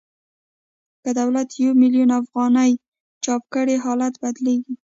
که دولت یو میلیون افغانۍ چاپ کړي حالت بدلېږي